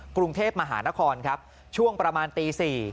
กรุงเทพมหานครครับช่วงประมาณตี๔